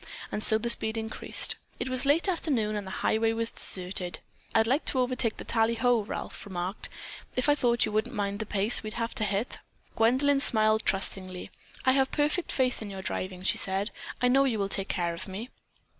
And so the speed increased. It was late afternoon and the highway was deserted. "I'd like to overtake the tallyho," Ralph remarked. "If I thought you wouldn't mind the pace we'd have to hit." Gwendolyn smiled up trustingly. "I have perfect faith in your driving," she said. "I know you will take care of me."